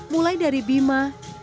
mulai dari bima